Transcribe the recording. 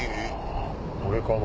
これかな？